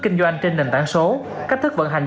kinh doanh trên nền tảng số cách thức vận hành